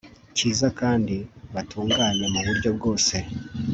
cyiza kandi batunganye mu buryo bwose